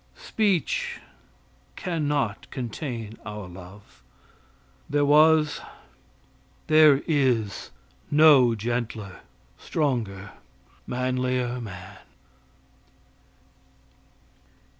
Speech can not contain our love. There was there is no gentler, stronger, manlier man.